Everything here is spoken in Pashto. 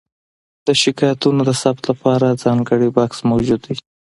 د شکایتونو د ثبت لپاره ځانګړی بکس موجود دی.